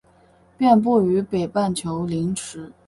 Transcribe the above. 遍布于北半球林地。